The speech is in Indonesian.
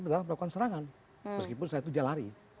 mereka bisa melakukan serangan meskipun saya itu jalan lari